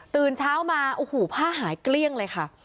ตื่นเช้ามาโอ้โหผ้าหายเกลี้ยงเลยค่ะ